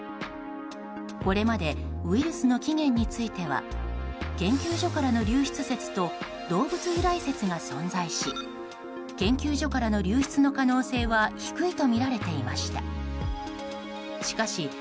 これまでウイルスの起源については研究所からの流出説と動物由来説が存在し研究所からの流出の可能性は低いとみられていました。